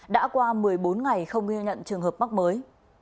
đã qua một mươi bốn ngày không ghi nhận trường hợp mắc mới